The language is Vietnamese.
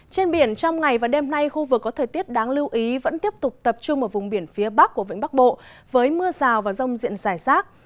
trên biển trong ngày và đêm nay khu vực có thời tiết đáng lưu ý vẫn tiếp tục tập trung ở vùng biển phía bắc của vĩnh bắc bộ với mưa rào và rông diện rải rác